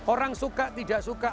orang suka tidak suka